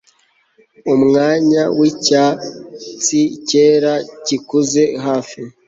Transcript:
Umwanya wicyatsicyera gikuze hafi